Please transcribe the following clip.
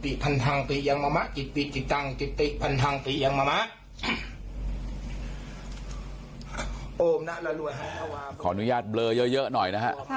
โอ้โหภาพจริงนี้มันโป๊ะเลย